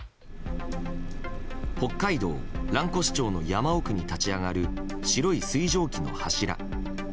北海道蘭越町の山奥に立ち上がる白い水蒸気の柱。